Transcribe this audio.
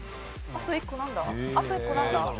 あと１個なんだ？